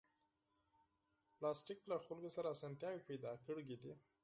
پلاستيک له خلکو سره اسانتیاوې پیدا کړې دي.